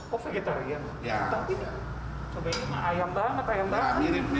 cuma kita bakar semua dari napati